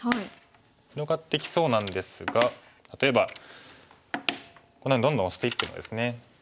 広がってきそうなんですが例えばこんなふうにどんどんオシていってもですね